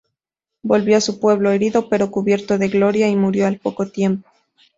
Volvió a su pueblo, herido, pero cubierto de gloria, y murió al poco tiempo.